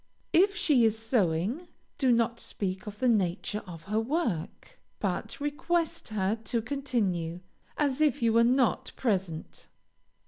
If she is sewing, do not speak of the nature of her work, but request her to continue, as if you were not present.